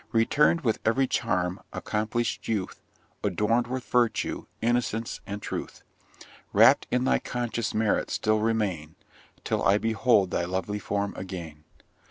Return'd with every charm, accomplish'd youth, Adorn'd with Virtue, Innocence, and Truth; Wrapp'd in thy conscious merit still remain, Till I behold thy lovely form again.